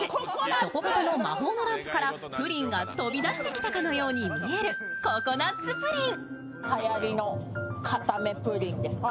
チョコ型の魔法のランプからプリンが飛び出してきたかのように見えるココナッツプリン。